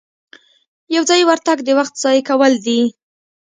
یو ځایي ورتګ د وخت ضایع کول دي.